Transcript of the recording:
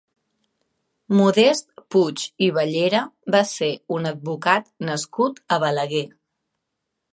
Modest Puig i Bellera va ser un advocat nascut a Balaguer.